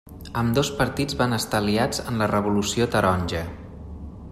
Ambdós partits van estar aliats en la Revolució Taronja.